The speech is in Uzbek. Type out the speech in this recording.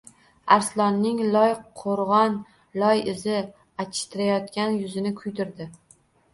Arslonning loyqo‘rg‘on loyi izi achishtirayotgan yuzini kuydirdi